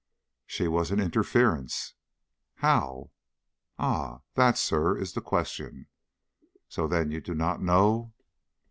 "She was an interference." "How?" "Ah, that, sir, is the question." "So then you do not know?"